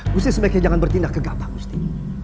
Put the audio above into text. gusti semakin jangan bertindak kegapah gusti